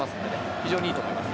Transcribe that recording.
非常に良いと思います。